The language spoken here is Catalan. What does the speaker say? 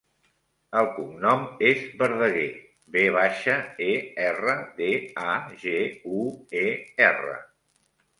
El cognom és Verdaguer: ve baixa, e, erra, de, a, ge, u, e, erra.